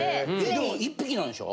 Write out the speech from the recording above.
でも１匹なんでしょ？